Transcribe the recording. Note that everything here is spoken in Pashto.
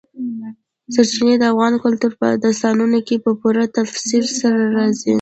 ژورې سرچینې د افغان کلتور په داستانونو کې په پوره تفصیل سره راځي.